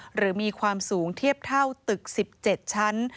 หรือมีความสูงเทียบเท่าตึก๑๗ชั้น